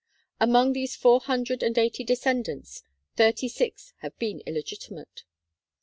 Among these four hundred and eighty descendants, thirty six have been illegitimate.